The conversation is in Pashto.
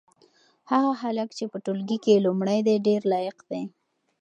هغه هلک چې په ټولګي کې لومړی دی ډېر لایق دی.